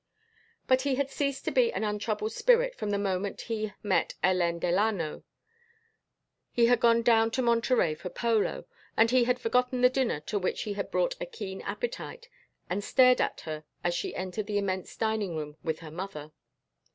But he had ceased to be an untroubled spirit from the moment he met Hélène Delano. He had gone down to Monterey for polo, and he had forgotten the dinner to which he had brought a keen appetite, and stared at her as she entered the immense dining room with her mother.